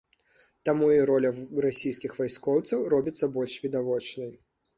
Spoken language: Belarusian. Таму і роля расійскіх вайскоўцаў робіцца больш відавочнай.